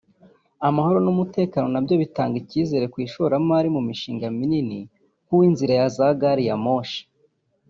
Amahoro n’ umutekano nabyo bitanga icyizere ku ishoramari mu mishinga minini nkuw’ inzira za gari ya moshi